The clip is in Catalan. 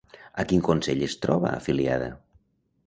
A quin Consell es troba afiliada?